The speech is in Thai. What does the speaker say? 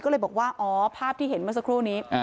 ก็เลยบอกว่าอ๋อภาพที่เห็นเมื่อสักครู่นี้